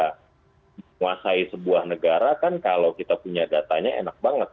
menguasai sebuah negara kan kalau kita punya datanya enak banget